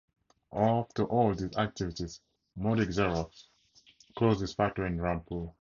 After all these activities Modi Xerox closed its factory in Rampur.